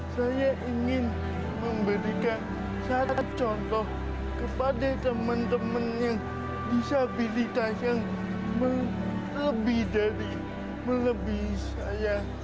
saya ingin memberikan satu contoh kepada teman teman yang disabilitas yang lebih dari melebihi saya